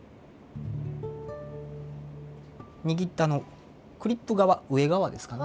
握ったクリップ側上側ですかね。